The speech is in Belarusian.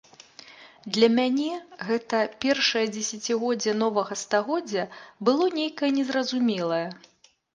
Для мяне гэта першае дзесяцігоддзе новага стагоддзя было нейкае незразумелае.